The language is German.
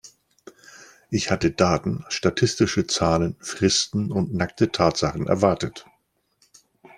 Ich hatte Daten, statistische Zahlen, Fristen und nackte Tatsachen erwartet.